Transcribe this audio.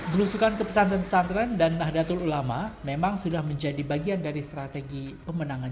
belusukan ke pesantren pesantren dan nahdlatul ulama memang sudah menjadi bagian dari strategi pemenangan